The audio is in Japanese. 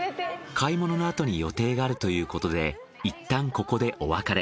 買い物のあとに予定があるということでいったんここでお別れ。